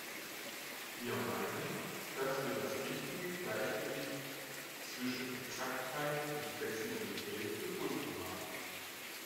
Wir meinen, dass wir das richtige Gleichgewicht zwischen Exaktheit und Flexibilität gefunden haben.